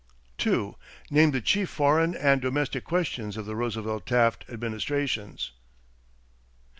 2. Name the chief foreign and domestic questions of the Roosevelt Taft administrations.